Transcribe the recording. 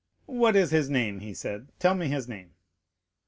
"What is his name?" said he. "Tell me his name."